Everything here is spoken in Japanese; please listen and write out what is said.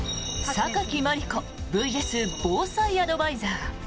榊マリコＶＳ防災アドバイザー。